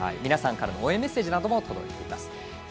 皆さんからの応援メッセージなども届いています。